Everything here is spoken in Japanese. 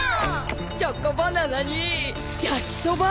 チョコバナナに焼きそば！